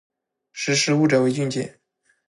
识时务者为俊杰